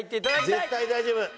絶対大丈夫。